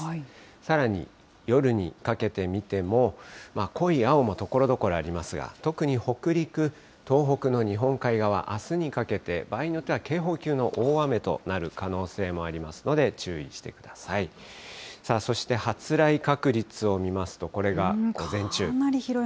さらに、夜にかけて見ても、濃い青もところどころありますが、特に北陸、東北の日本海側、あすにかけて、場合によっては警報級の大雨となる可能性もありますので、注意してください。